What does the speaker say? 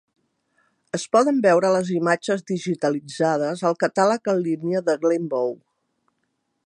Es poden veure les imatges digitalitzades al catàleg en línia de Glenbow.